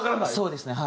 そうですね。